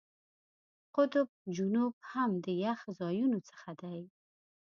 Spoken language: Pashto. قطب جنوب هم د یخ ځایونو څخه دی.